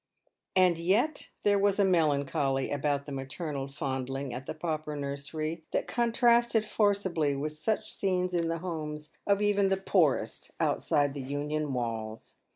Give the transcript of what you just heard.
And yet there was a melancholy about the maternal fondling at the pauper nursery that contrasted forcibly with such scenes in the homes even of the poorest outside the Union walls.